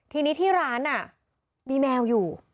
ทีนี้ที่ร้านมีแมวอยู่